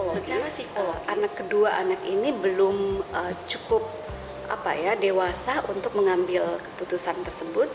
secara psikolog anak kedua anak ini belum cukup dewasa untuk mengambil keputusan tersebut